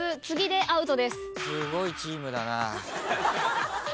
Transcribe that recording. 次でアウトです。